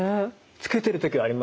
つけてる時はありますよ。